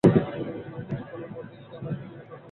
কিছুক্ষণের মধ্যেই সে আমার স্ত্রীর অত্যন্ত ন্যাওটা হয়ে পড়ল।